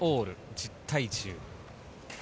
１０対１０。